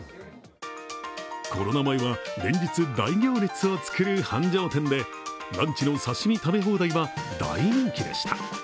コロナ前は、連日大行列を作る繁盛店で、ランチの刺身食べ放題は大人気でした。